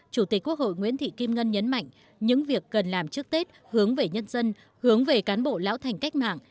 chủ tịch quốc hội nguyễn thị kim ngân nhấn mạnh những việc cần làm trước tết hướng về nhân dân hướng về cán bộ lão thành cách mạng